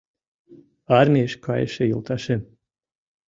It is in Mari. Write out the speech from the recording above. Армийыш кайыше йолташем.